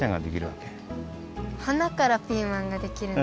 はなからピーマンができるんですか？